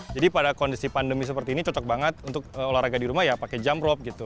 jadi pada kondisi pandemi seperti ini cocok banget untuk olahraga di rumah ya pakai jump rope gitu